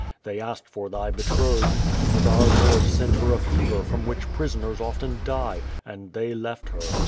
They asked for thy betrothed, but our Lord sent licr a fever from which prisoners often die, and they left her.